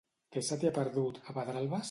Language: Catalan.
Què se t'hi ha perdut, a Pedralbes?